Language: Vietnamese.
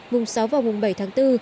vùng sáu và vùng bảy tháng bốn